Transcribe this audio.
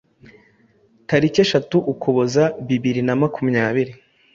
tariki eshatu Ukuboza bibiri na makumyabiri